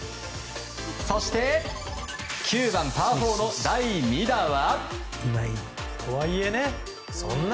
そして９番、パー４の第２打は。